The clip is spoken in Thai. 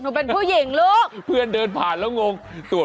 เป็นผู้หญิงลูกเพื่อนเดินผ่านแล้วงงตรวจ